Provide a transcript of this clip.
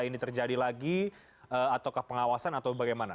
yang terjadi lagi atau ke pengawasan atau bagaimana